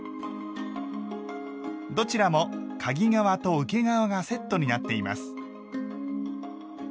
どちらもかぎ側と受け側がセットになっています。